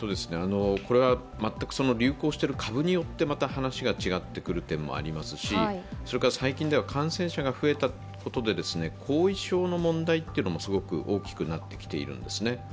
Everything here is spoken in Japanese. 全く流行している株によって話が違ってくる点もありますしそれから最近では感染者が増えたことで後遺症の問題も大きくなってきているんですね。